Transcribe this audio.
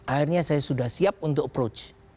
akhirnya saya sudah siap untuk approach